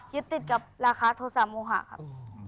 ยึดติดกับลาคาโทสามูหะครับ